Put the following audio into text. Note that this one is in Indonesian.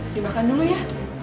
dimakan dulu ya